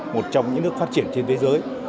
một trong những nước phát triển trên thế giới